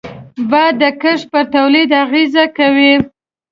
باد د کښت پر تولید اغېز کوي